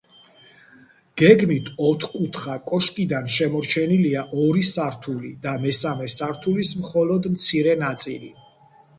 გეგმით ოთხკუთხა კოშკიდან შემორჩენილია ორი სართული და მესამე სართულის მხოლოდ მცირე ნაწილი.